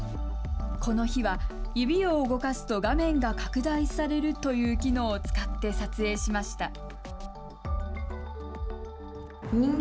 この日は、指を動かすと画面が拡大されるという機能を使って撮影しました。